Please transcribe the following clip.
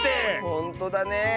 ほんとだね。